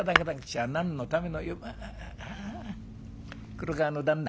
黒川の旦那